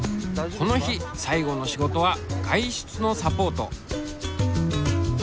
この日最後の仕事は外出のサポート。